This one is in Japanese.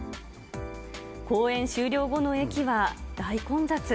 公演終了後の駅は大混雑。